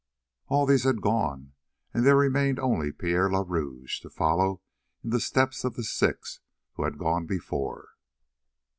All these had gone, and there remained only Pierre le Rouge to follow in the steps of the six who had gone before.